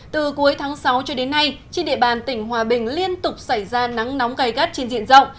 từ cuối tháng sáu cho đến nay trên địa bàn tỉnh hòa bình liên tục xảy ra nắng nóng gai gắt trên diện rộng